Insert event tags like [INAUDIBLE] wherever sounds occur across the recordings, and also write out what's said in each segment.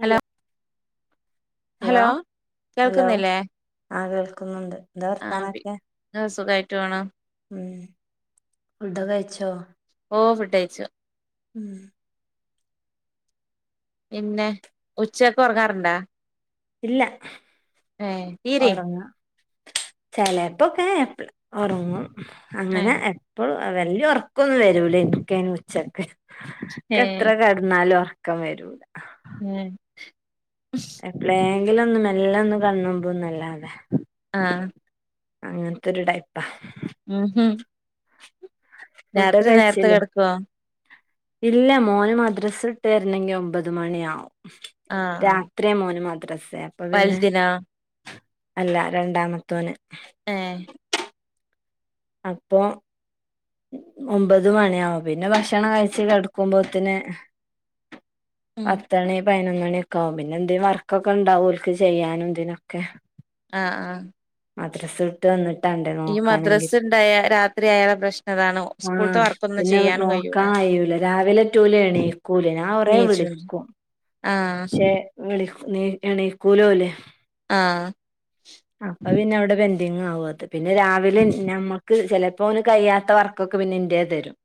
Hello hello hello കേൾക്കുന്നില്ലേ ആഹ കേൾക്കുന്നുണ്ട് എന്താ വർത്താനൊക്കെ ആസുഖയിട്ട് പോണു ഉ ഫുടൊക്കെ കയിച്ചോ ഓ ഫുഡയിച്ച് ഉം [INAUDIBLE] പിന്നെ ഉച്ചൊക്കെ ഒ റങ്ങാറുണ്ടാ ഇല്ല ഏഹ് തീരെ ഉറങ്ങാ ചെലപ്പോകെ ഉറങ്ങും അങ്ങനെ ഏഹ് അപ്പോൾ വല്യ ഉറക്കൊന്നും വരൂല എനിക്കയിനു ഉച്ചക്ക ഏഹ് എത്രകേടാ ന്നാലും ഒ റക്കം വരൂല ഉം [UNINTELLIGIBLE] എ പ്പളെങ്കിലും ങ്കിലും മെല്ല ഒന്ന് കണ്ണുമ്പുനല്ലാതെ ആഹ അങ്ങനത്തെൊരു ടൈപ്പാ ഉം ഹം [UNINTELLIGIBLE] ഫുഡഡൊ നേരത്തെ കഴിച്ല്ലേ കെടക്കുവോ ഇല്ല മോന് മദ്രസ് ഇട്ട് വരുന്നെങ്കി ഒമ്പത് മണിയാവും ആഹ് ര ആഹ് ഇത്രയും മോന് മദ്രസേ അപ്പൊ പിന്നെ വലുതിനോ അല്ല രണ്ടാമത്തോന് ഏ അപ്പോ ഒമ്പത് മണിയാവും പിന്നെ ഭക്ഷണം കഴിച്ചി കിടക്കുമ്പത്തിന് [UNINTELLIGIBLE] ഉം പത്തണി പതിനൊന്ന മണിയ ഒക്കെ ആകും പിന്നെ എന്ത വർക്കൊക്കെ ഉണ്ടാവുംഓല്ക്ക് ചെയ്യാനും എന്തിനൊക്കെ ആഹ മദ്രസ വിട്ട് ട്ട് വന്നിട്ട് അന്റെടു ഈ മദ്രാസ് ഉണ്ടായ രാത്രിയായ പ്രശ്നതാണ് ആഹ് സ്കൂളത്തെ വർ പിന്നെ നോക്കാൻ കയൂല രാവിലെ ടൂലെ ഏണീക്കൂല ഞാൻ കൊറെവിളിക്കും ആഹ വിളിക്കും നീ എണീക്കൂല ഓല് ആ അപ്പം പിന്നെ അവിടെ പെന്റിങ് ആകും അത് പിന്നെ രാവിലെ നമ്മക്ക് ചിലപ്പം പ്പോ ഓല് കയി യാത്ത വർക്കൊക്കെ പിന്നെ ഇന്റേ തരും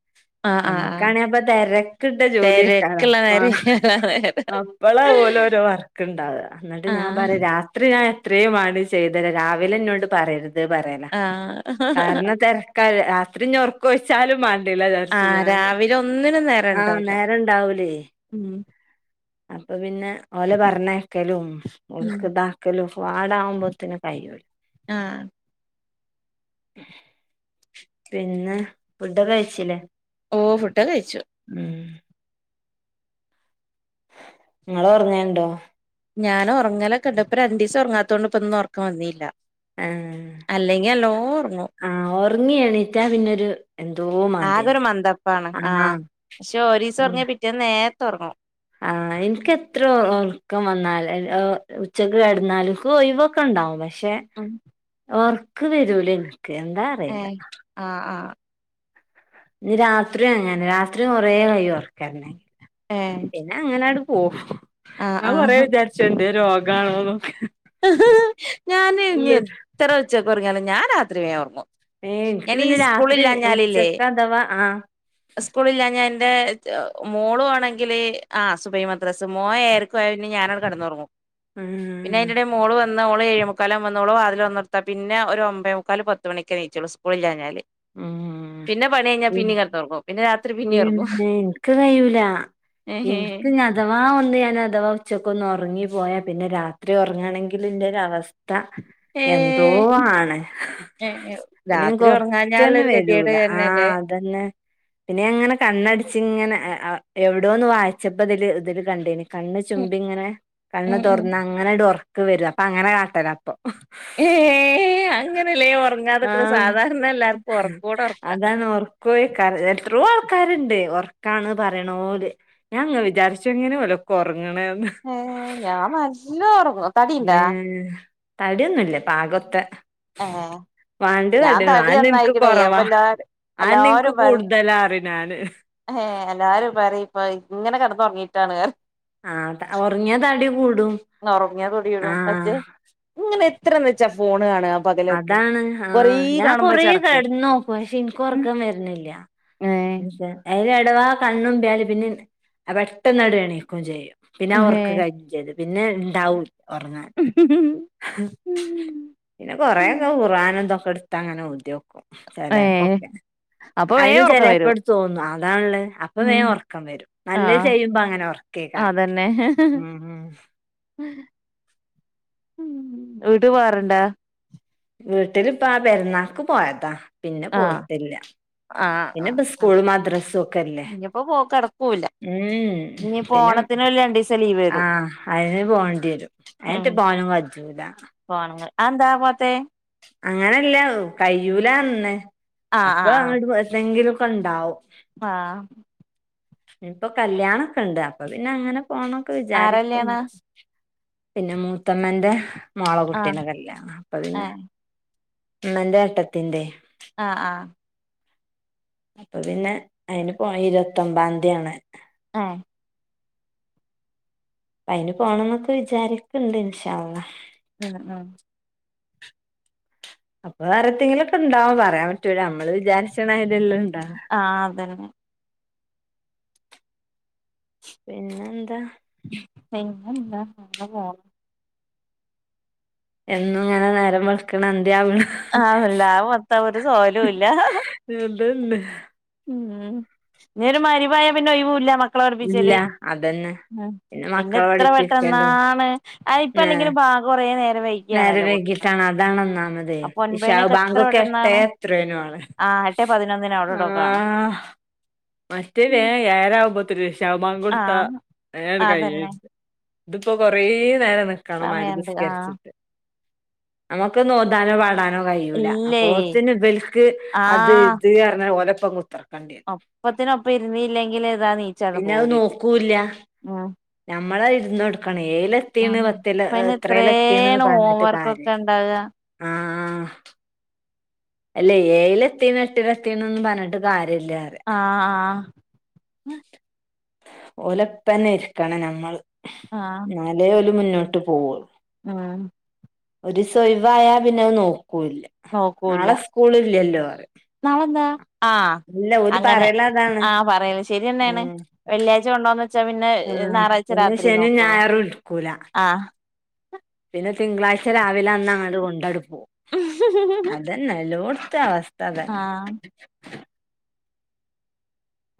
ആഹ് ആഹ് ആഹ് ഞമ്മക്കാനെങ്ങി അപ്പം തരക്കിട്ട ജോലി ആയിക്കാരം തെരക്കുള്ള പ്പ നേരം ഇയാളെ നേരം അപ്പ പ്പള്ള ഓല് ഓരോ വർക്ക്ണ്ടാവുക ന്നിട്ട് ഞാൻ ആഹ് പറ യും രാ ര ത്രി ഞാൻ എത്രയുവേണ്ടി ചെയ്ത് തരാം രാവിലെ എന്നോട് പറയരുത് ത് പറയനാ ആഹ് കാരണം തിരക്കാ ലെ രാത്രി ഇഞ് ഒ റക്ക ഒയിച്ചാലും മതി [UNINTELLIGIBLE] ആഹ് ഞന് രാവിലെ ഒന്നിനും നേരം ആഹ ഉണ്ടാവൂല നേര ഇണ്ടാവൂലേ ഉം അപ്പൊ പിന്നെ ഓലെ പറഞ്ഞയക്കലും ഉം ഓല്ക്ക് താക്കലും വാടകുമ്പോ തിനും കയൂല ആഹ് പിന്നെ ഫുഡൊക്കെ ക യി ച്ചല്ലേ ഓ ഫുണ്ടൊക്കെ കയിച്ചു ഉം ങ്ങള് ഒറങ്ങലുണ്ടോ ഞാൻ ഉറങ്ങലൊക്കെണ്ട ഇപ്പ രണ്ണ്ട് ദിവസം ഒറാങ്ങാത്തോണ്ട് പ്പൊ ഒറക്കം വന്നില്ല ആ... അല്ലെങ്കി നല്ലോം ഒറങ്ങും ഒറങ്ങി എണീറ്റാ പിന്നെരു എന്തോ ആകെ മാതിര്യ ഒരു മന്ദപ്പാണ് ആഹ ആഹ് പക്ഷെ ഒരീസം ഒറങ്ങിയാ പിറ്റേന്ന് നേരത്തെ ഒറങ്ങും. ആ എനിക്ക് എത്ര ഒറക്കം വന്നാൽ ഉച്ചക്ക് കെടന്നാലും എനിക്ക് ഒഴിവ് ഒക്കെ ണ്ടാവും പക്ഷെ ആ ഒർക്ക് വരൂല ൻക്ക് എന്താ അറിയില്ല ഏഹ ആ ആഹ. ഇനി രാത്രി അങ്ങനെനെ രാത്രി കൊറെേ കഴിയും ഒറക്കംവരണെങ്ങി ഏഹ് പിന്നെ അങ്ങനാണ്ട് പോവും ആഹ് ആ കൊറേ ആഹ് വിചാരി ച്ചെണ്ട് എന്തെം രോഗാണോന്നൊക്കെ. ഞാന് ഇനി ഇല്ല എത്ര ഉച്ചക്ക് ഒറങ്ങിയലും ഞാൻ രാത്രി വേഗം ഒറങ്ങും. ഏ ഇൻക്ക് പിന്നെ രാത്രി ഇനി ഉച്ചക്ക് അഥവാ ആ സ്കൂളില്ലാഞ എന്റെ മോളു ആണെങ്കില് ആ സുഭൈ മദ്രസ് മോ ഏയരക്ക് ക്ക് പോയ പിന്നെ ഞാനങ്ങട് കടന്നൊറങ്ങും. ഉം. പിന്നയ്ന്റെടെൽ മോള് വന്ന് ഓള് എയെമുക്കാലാവുമ്പോ വന്ന് ഓള് വാതിൽ തൊർന്നൊട്ത്ത പിന്നെ ഒര് ഒമ്പേ മുക്കാല് പത്ത് മണിക്കെ നീച്ചോളൂ സ്കൂള് ഇല്ലാഞ്ഞാല്. പിന്നെ പണി കഴിഞ്ഞാ ഉം പിന്നിം കടന്നൊറങ്ങും പിന്നെ രാത്രി പിന്നേം ഒറങ്ങും പിന്നെ ൻക്ക് കഴൂല ൻക്ക് ഞ അഥവാ ഒന്ന് ഞാൻ അഥവാ ഉച്ചക്കൊന്ന് ഒറങ്ങി പോയാ പിന്നെ രാത്രി ഒറങ്ങാണെങ്കിൽ ഇന്റെരു അവസ്ഥ. ഏ സ്ഥ എന്തോ ആണ്. ഏ പിന്നെ രാത്രി ൻക്ക് ഒറക്കെന്നെ ഒറങ്ങാഞ്ഞാലുള്ളൊരു ഗതികേട് വരൂല ആഹ തന്നെയല്ലേ അതന്നെ. പിന്നെ ഞാന്ങ്ങനെ കണ്ണടച്ച് ഇങ്ങനെ എവിടോന്ന് വായിച്ചപ്പോ ഇതില് ഇതില് കണ്ടിനി കണ്ണ് ഉം ചുമ്പി ങ്ങനെ കണ്ണ് ഉം ഉം തൊറന്ന് അങ്ങനാണ്ട് ഒറക്ക് വരും അപ്പൊ അങ്ങനെ കാട്ടല്ല അപ്പൊ. ഏ അങ്ങനെല്ലേ ഒറങ്ങാതെക്കണേ ആഹ് സാധാരണ എല്ലാർക്കും ഒറക്കൊടൊറക്കാ. കോഴക്കാ എത്രയോ ആൾക്കാര്ണ്ട് ഒറക്കാണ് പറിണോല്. ഞാൻ ങ്ങനെ വിചാരിച്ചും എങ്ങനെയ ഓലൊക്കെ ഒറങ്ങ്ണെന്ന് ഏ ഞാൻ നല്ലോം ഒറങ്ങും. ഏ തടിയിണ്ടാ തടിയൊന്നുല്ലാ പാകൊത്തെ. ഏ വാണ്ടേ ഞാൻ തടിയിന്നും തടി അതന്നെ എനിക്ക് നന്നായിക്കണേ കൊറവ അപ്പൊ എല്ലാ അതന്നെ എനക്ക് എല്ലാരും പറയും കൂടുതലാ പറയും. ആണ്. ഏ.. എല്ലാരും പറിം ഇപ്പം ഇങ്ങനെ കടന്നൊറങ്ങിയിട്ടാണ്റിം. ആഹ ഒറങ്ങ്യ തടി കൂടും.... ഒറങ്ങിയാ തൊടിടും ആഹ് പക്ഷേ ഇങ്ങനെ എത്രന്ന് വെച്ചാ ഫോണ് കാണ.. അതാണ് ആഹ ഞാൻ കൊറേ ചടക്കും കെടന്ന് നോക്കും പക്ഷെ എനക്ക് ഒറക്കം വര്ണില്ല. ഏ അയ്ൽ എടവാ കണ്ണുംമ്പ്യല് പിന്നെ പെട്ടെന്നാണ്ട് എണീക്കും ചെയ്യും.... പിന്നെ ആ ഏ ഒറക്ക് കജ്ജും ചെയ്യും പിന്നെ ഇണ്ടാവൂല്യ ഒറങ്ങാന്. മ്മ്... മ്മ് പിന്നെ കൊറേൊക്കെ ഖുർആനും ഇതൊക്കെട്ത്ത് അങ്ങനെ ഓതി നോക്കും, ഏ ചെലേപ്പൊക്കെ.... അപ്പൊ അയ്ന് വേഗം ഉറക്കം വരും ചെലെപ്പട് തോന്നും അതാണ്‌ളള അപ്പൊ ഉം വേം ഒറക്കം വരും.... ആ നല്ലെ ചെയ്യുമ്പോ അങ്ങനെ ഒറക്കെക്കാരം, അതന്നെ ഉം... വീട്ട് പോവാറ്ണ്ടാ? വീട്ടിലിപ്പ ആ പെരുന്നാൾക്ക് പോയതാ പിന്നെ ആ പോയിട്ടില്ല..... ആ പിന്നെപ്പൊ ആ സ്കൂള് മദ്രാസൊക്കെല്ലേ. ഇനിയിപ്പോ പോ കടക്കൂല ഉം ഇനിയിപ്പോ പിന്നെ ഓണത്തിന് ഒരു രണ്ടീസം ലീവ് വരും ആഹ അയ്ന് പോണ്ടി വരും. അയ്നെന്റെ പോവാനും കജ്ജൂലാ.. പോവാനും, അഎന്താ പോവാത്തെ? അങ്ങനെല്ല കയ്യൂലന്നെ ആഹ് അപ്പൊ അങ്ങോട്ട്ന്തെങ്കിലുംക്കെ ഉണ്ടാവും ആഹ ഇനി ഇപ്പൊ കല്യാണൊക്കെ ഇണ്ട് അപ്പൊ പിന്നെ അങ്ങനെ പോണൊക്കെ ആരെ കല്യാണാ വിചാരിക്കണ്ട് പിന്നെ മൂത്തമ്മന്റെ മോളേ ആഹ് കുട്ടീന്റെ കല്യാണ് അപ്പൊ പിന്നെ ഏഹ് ഉമ്മന്റെ ഏട്ടത്തിന്റെ ആഹ്‌ ആഹ്‌ അപ്പൊ പിന്നെ അയിന് പോ ഇരുപത്തൊമ്പാംതിയാണ് ആഹ അപ്പ അയിന് പോണം എന്നൊക്കെ വിചാരിക്കണ്ട് ഇൻഷാ അല്ലാഹ് ആഹ് ആഹ് അപ്പൊ വേറെത്തെെങ്കിലൊക്കെ ഉണ്ടാവും പറയാൻ പറ്റൂല്ല നമ്മള് വിചാരിച്ചണമാരി അല്ലാണ്ട് ആഹ അതന്നെ പിന്നെ എന്താ പിന്നെന്താ ഇങ്ങനെ പോണ് എന്നും ഇങ്ങനെ നേരം വെള്ക്ക്ണ്‌ അന്ത്യാവ്ണ് ആതല്ല മൊത്തം ഒരു സോലോം ഇല്ല അതന്നെ ഉം ഇ ഒരു മയിരിബായ പിന്നെ ഒഴിവൂല്ല മക്കളെ ഇല്ല പഠിപ്പിച്ചല് അതന്നെ ഉം പിന്നെ മക്കളെ എത്ര പഠിപ്പിക്കലും പെട്ടന്നാണ്‌ അയ് ഇപ്പ നേ അല്ലെങ്കിലും പാ കുറേ നേരം വൈക്ണ്‌ നേരം വൈകിട്ടാണ് അതാണ് ഒന്നാമതേ അപ്പൊ ഇശാവ് ഒൻപണിയൊക്കെ ബാങ്കൊക്കെ എട്ടേ എത്രേനാണ് ആ് എട്ടേ പതിനൊന്നിന് അവിടെടോ ആഹ മറ്റേ വേം ഏഴര ആവുമ്പത്ത്ന് ഇഷാഹ് ബാങ്ക് കൊടുത്ത ആഹ് വേം അണ്ട് അതന്നെ കയ്യേര്ന്ന് ഇതിപ്പോ കൊറേ നേരം ക്കണം മയിരിബ് സമയണ്ട് ആഹ് നിസ്കരിച്ചിട്ട് നമുക്ക് ഒന്ന് ഓതാനോ പാടാനോ കഴിയൂല ഇല്ലേയ് അപ്പോത്തിന് ഇബൽക്ക് അത് ആഹ് ഇത്ന്ന് പറഞ്ഞ് ഓലപ്പം കുത്തിക്ക ഒപ്പത്തിനൊപ്പം ഇരുന്നില്ലെങ്കിൽ ഇതാ നീച്ചണ്ട് പിന്നെ പോവും അത് ചെയ്യും നോക്കൂല്ല ഞമ്മള് ഇരുന്ന് കൊടുക്കണം ഏഴിലെത്തിണ് ആഹ് പത്തി പിന്നെ എത്രയില് എത്തിണ് എത്രേണ് ഹോം പറന്നിട്ട് വർക്കൊക്കെ കാര്യല്ല ഇണ്ടാക ആഹ അല്ല ഏഴില് എത്തിന്ന് എട്ടില് എത്തിന്ന് നൊന്നും പറഞ്ഞിട്ട് കാര്യമില്ല പറയാ ആഹ ആഹ ഓലെപ്പന്നെ ഇരിക്കണം ഞമ്മള് ആഹ ഇന്നാലെ ഓല് മുന്നോട്ട് പോകൊള്ളു ഉം ഒരീസം ഒയ്‌വായ പിന്നെ അത് നോക്കൂല്ല നോക്കൂല്ല നാളെ സ്കൂളില്ലല്ലോ പറയും നാളെന്താ ആഹ് ഇല്ല ഓല് അങ്ങനെ പറയലതാണ് ആഹ് പറയും ശരിയെന്നെണ് ഉം വെള്ളിയാഴ്ച കൊണ്ടന്ന് ആഹ് പിന്നെ ശനിം ഞായറും ഇട്ക്കൂല ആഹ് പിന്നെ തിങ്കളാഴ്ച രാവിലെ അന്നങ്ങട്ട് കൊണ്ടട് പോവും അതന്നെ എലോട്ത്തും അവസ്ഥ അതന്നെ ആഹ്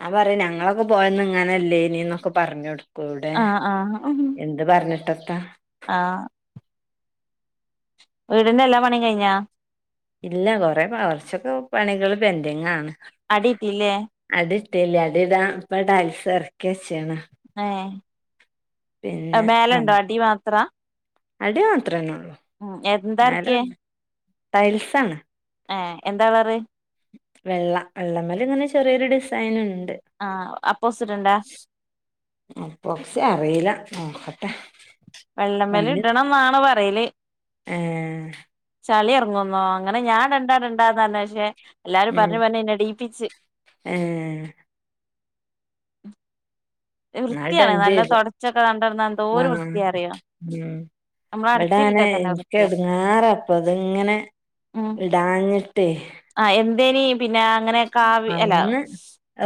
ഞാൻ പറയും ഞങ്ങളൊക്കെ പോയന്ന് ഇങ്ങനെല്ലേന്ന്ന്നൊക്കെ പറഞ്ഞൊടുക്കും ഇവടെ എൻ ആഹ് ആഹ് എന്ത് പറഞ്ഞിട്ടെത്താ ആഹ് വീടിന്റെ എല്ലാ പണിയും കഴിഞ്ഞാ ഇല്ല കൊറേ കൊർച്ചൊക്കെ പണികള് പെൻന്റിങ്ങാണ് അടി ഇട്ടീല്ലേ അടി ഇട്ടില്ല അടി ഇടാൻ ഇപ്പ ടൈൽസ് എറക്കി വെച്ച്ണ് ഏഹ് ആ മേലണ്ടോ അടി മാത്ര അടി മാത്രന്നേള്ളൂ ഉം എന്താ എറക്കിയേ മേലെല്ല ടൈൽസാണ്. ഏഹ് എന്താ കളറ് വെള്ള വെള്ളമ്മല്ങ്ങനെ ചെറിയൊരു ഡിസൈനിണ്ട്. ആഹ് അപ്പോക്സി ഇടണ്ടാ അപ്പൊക്സി അറീല്ല നോക്കട്ടെ വെള്ളമ്മല് പണി ഇടണംന്നാണ് പറയല്. ഏ ചളി ഇറങ്ങുന്നോ അങ്ങനെ ഞാൻ ഇടണ്ടാ ഇടണ്ടാന്നറഞ്ഞു പക്ഷെ എല്ലാരും പറഞ്ഞ് പറഞ്ഞ്ന്നെ ഇടീപ്പിച്ച്. ഏഹ് ന്നാ വൃത്തിയാണ് നല്ല ഇടണ്ടേരും തൊടച്ചൊക്കെ കണ്ടടന്നാ എന്തോരു ആഹ് വൃത്തിയാ അറിയോ ഉം നമ്മള് എവടാണ് അടച്ചിലിട്ടാ തന്നെ വൃത്തിയാ എനിക്കെടുങ്ങാറപ്പൊത്ങ്ങനെ ഉം വൽ ഇടാഞ്ഞിട്ടെ ആഹ് എന്തേനി പിന്നെ അങ്ങനെ കാവി അല്ല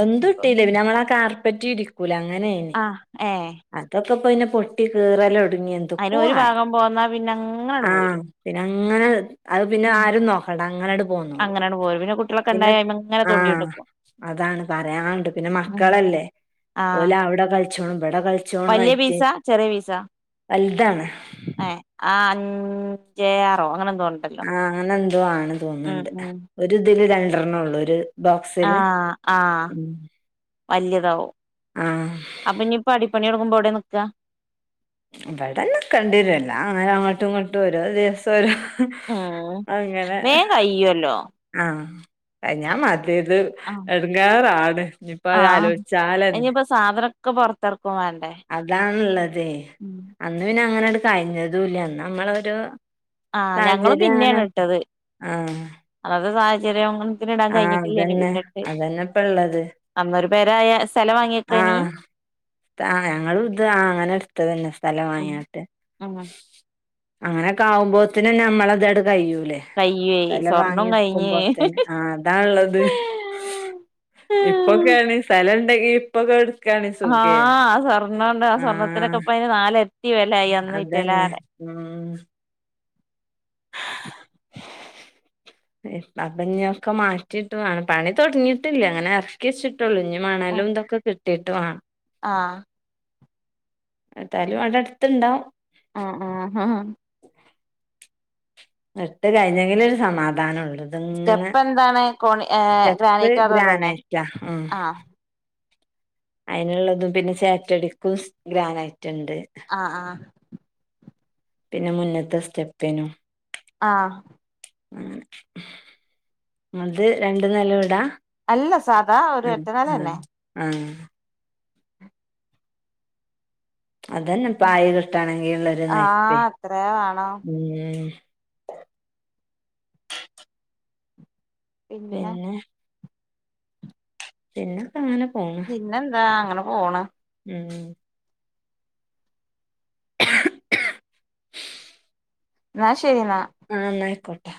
എന്തും ഇട്ടില്ലേന്ന് ഞങ്ങളെ ആഹ് കാർപ്പറ്റിരിക്കൂലെ അങ്ങനെര്ന്നു. ആഹ് ഏയ് അതൊക്കെ ഇപ്പോപിന്നെ പൊട്ടി കീറലൊങ്ങിയ അയിന് തൊക്കോ ഒരു ആയി ഭാഗം പോന്നാ പിന്നെ അങ്ങനട് ആഹ് പോരും പിന്നങ്ങനെ അത് പിന്നെ ഉം ആരും നോ പ്പടെങ്ങളട് പോന്നോളും അങ്ങനട് പോരും പിന്നെ കുട്ടികളൊക്കെ പിന്നെ ഇണ്ടായ അയ്മങ്ങനെ ആഹ് തോണ്ടിയോണ്ട്ക്കും അതാണ് പറയാണ്ട് പിന്നെ ഉം മക്കളല്ലേ ഓലെ അവിടെ കളിച്ചോണം ഇവടെ കളി വലിയ പീസ ചെറിയ പീസ വലുതാണ് ഏഹ് ആഹ് അഞ്ചേ ആറോ അങ്ങനെ എന്തോണ് ആഹ് അങ്ങനെ എന്തോ ആണ് തോന്നുന്നുണ്ട് ഉം ഒര് തില് രണ്ടെണ്ണള്ളൂ ഒര് ആഹ് ആഹ് വല്യതാവും ആഹ് അപ്പൊ ഇനി പടി പണിടൊങ്ങുമ്പോ എവടെ നിക്ക ഇവിടെന്നെ നിക്കണ്ടേരും എല്ലാം അങ്ങോട്ടും ഇങ്ങോട്ടും ഓരോ ദിവസം തൊരു ഉം അങ്ങനെ വേഗം കയ്യുവല്ലോ ആഹ് ക ഞാൻ മറ്റേത് ആഹ് എടങ്ങേറാണ് ഇനിയിപ്പോ അത് ആഹ് ആലോചിച്ചാലെന്നെ ഇനിയിപ്പോ സാധനൊക്കെ പൊറത്തറക്കും വേണ്ടേ അതാണുള്ളതേ അന്ന് പിന്നെ അങ്ങനെടു കഴിഞ്ഞതുല്ല നമ്മളൊരു ആഹ് ഞങ്ങളും സാഹചര്യം അങ്ങനെ പിന്നെയാണ് ഇട്ടത് ആഹ് അത് സാഹചര്യം തിന് ഇടാൻ ആഹ് കഴിഞ്ഞിട്ടില്ലേന്ന് അതന്നെ പിന്നെട്ട് അതന്നെ ഇപ്പള്ളത് അന്നൊരു പെരായ സ്ഥലമാ ആഹ് ത ആഹ് ഞങ്ങളുത് ആഹ് അങ്ങനെ എടുത്തതെന്നെ സ്ഥലം വാങ്ങിയിട്ട്. ആഹ് അങ്ങനൊക്കെ ആവുമ്പോത്തിന് നമ്മളതടെ കഴിയൂലേ കയ്യുവേ അതല്ലാം വാങ്ങി സ്വർണം കഴിഞ്ഞ് എടുക്കുമ്പോത്തേന് ആഹ് അതാവുള്ളത് ഇപ്പൊക്കെയാണ് സ്ഥലുണ്ടെങ്കി ഇപ്പൊക്കെ എ ആഹ് സ്വർണ്ണംമൊണ്ട് ആഹ് സ്വർണ്ണത്തിനൊക്കെപ്പയിന് നാലിരട്ടി വിലയായി അതന്നെ ഉം ഏഹ് അവിഞ്ഞൊക്കെ മാറ്റിട്ട് വേണം പണി തൊടങ്ങീട്ടില്ല അങ്ങനെ തേശ്ചിട്ടൊള്ളിൻ ഇനി മണലും ആഹ് ഇന്തൊക്കെ കിട്ടയിട്ട് വേണം ആഹ് എന്താലും അത് അടുത്തുണ്ടാവും ആഹ് ആഹ് ഹാ ഇട്ട് കഴിഞ്ഞെങ്കിലെ ഒരു സമാധാനം ഉള്ളൂ അങ്ങനെ സ്റ്റെപ്പ് എന്താണ് കോണി ഏഹ് സ്റ്റെപ്പ് ഗ്രാനൈറ്റ് അതോ തന്നെ ഗ്രാനൈറ്റോ ഉം ആഹ് അതിനുള്ളതും പിന്നെ സേറ്റടിക്കും സ് ഗ്രാനൈറ്റുണ്ട്. ആഹ് ആഹ് പിന്നെ മുന്നത്തെ സ്റ്റെപ്പിനും ആഹ് അത് രണ്ടു നില വീടാ അല്ല സാധാ ഒരു ഉം ഒറ്റ ആഹ് നെലന്നെ ആഹ് അതന്നെ പായ കിട്ടാണെങ്കിൽ ഉള്ളരു നായ്പ്പേ ആഹ് അത്രേ വേണം ഉം പിന്നെ പിന്നൊക്കെ അങ്ങനെ പോണു പിന്നെന്താ അങ്ങനെ പോണു ഉം എന്നാ ശരി എന്നാ ആഹ് എന്നാ ആയിക്കോട്ടെ